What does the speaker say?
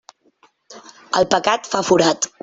El pecat fa forat.